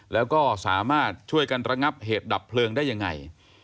แล้วก็สามารถช่วยกันระงับเหตุดับเพลิงได้ยังไง